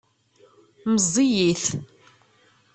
Meẓẓiyit.